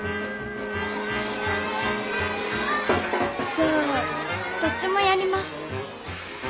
じゃあどっちもやります。